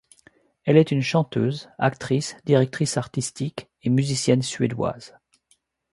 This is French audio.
Elle est une chanteuse, actrice, directrice artistique et musicienne suédoise.